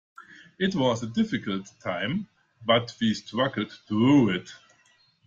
It was a difficult time, but we struggled through it.